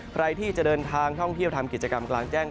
ใครที่จะเดินทางท่องเที่ยวทำกิจกรรมกลางแจ้ง